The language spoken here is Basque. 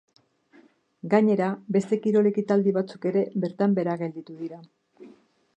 Gainera beste kirol ekitaldi batzuk ere bertan behera gelditu dira.